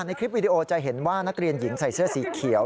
ในคลิปวิดีโอจะเห็นว่านักเรียนหญิงใส่เสื้อสีเขียว